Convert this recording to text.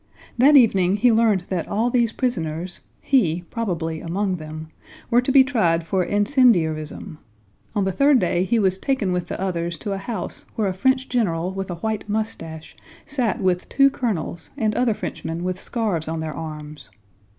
That evening he learned that all these prisoners (he, probably, among them) were to be tried for incendiarism. On the third day he was taken with the others to a house where a French general with a white mustache sat with two colonels and other Frenchmen with scarves on their arms.